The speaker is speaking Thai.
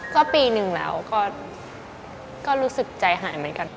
ก็ปีหนึ่งแล้วก็รู้สึกใจหายเหมือนกัน